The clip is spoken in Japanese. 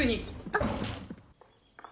あっ。